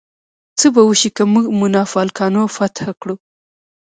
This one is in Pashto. څه به وشي که موږ مونافالکانو فتح کړو؟